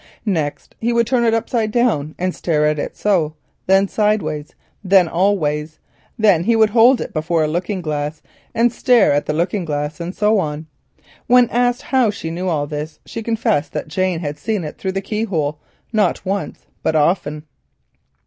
Next he would turn it upside down and stare at it so, then sideways, then all ways, then he would hold it before a looking glass and stare at the looking glass, and so on. When asked how she knew all this, she confessed that her niece Jane had seen it through the key hole, not once but often.